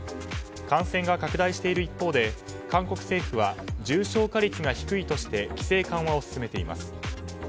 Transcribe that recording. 感染が拡大している一方で韓国政府は重症化率が低いとして規制緩和を進めています。